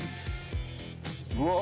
うわ。